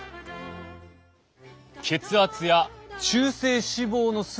血圧や中性脂肪の数値も。